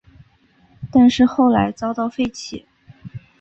但是后来遭到废弃。